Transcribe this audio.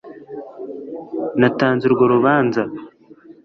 natanze urwo rubanza